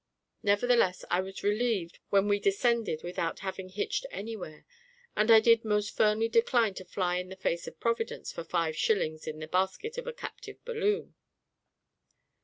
Nevertheless, I was relieved when we descended without having hitched anywhere, and I did most firmly decline to fly in the face of Providence for five shillings in the basket of a captive balloon.